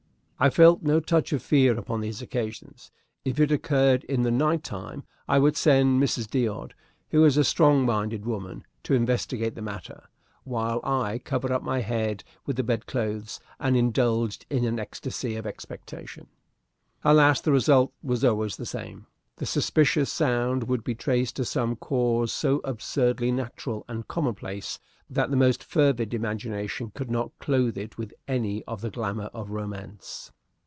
I felt no touch of fear upon these occasions. If it occurred in the night time, I would send Mrs. D'Odd who is a strong minded woman to investigate the matter while I covered up my head with the bedclothes and indulged in an ecstasy of expectation. Alas, the result was always the same! The suspicious sound would be traced to some cause so absurdly natural and commonplace that the most fervid imagination could not clothe it with any of the glamour of romance.